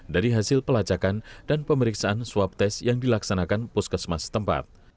dari hasil pelacakan dan pemeriksaan swab test yang dilaksanakan puskesmas tempat